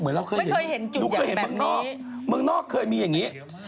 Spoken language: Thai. เพิ่งเห็นบางบังนอกเคยมีอย่างนี้